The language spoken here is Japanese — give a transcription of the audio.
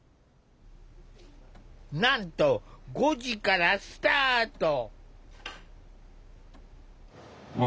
なんと５時からスタート！